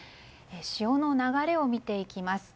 潮の流れを見ていきます。